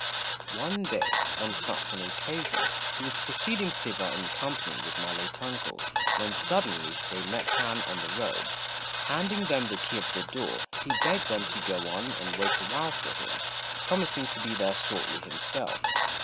One day, on such an occasion, he was proceeding thither in company with my late uncle, when suddenly they met Han on the road. Handing them the key of the door, he begged them to go on and wait awhile for him, promising to be there shortly himself.